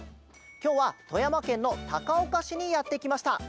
きょうはとやまけんのたかおかしにやってきました。